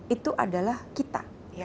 itu adalah kita